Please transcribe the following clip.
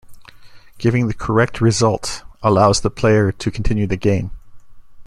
Giving the correct result allows the player to continue the game.